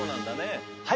はい。